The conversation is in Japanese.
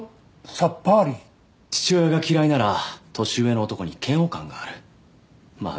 サッパーリー父親が嫌いなら年上の男に嫌悪感があるまあ